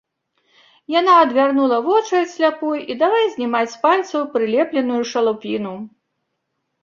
Яна адвярнула вочы ад сляпой і давай знімаць з пальцаў прылепленую шалупіну.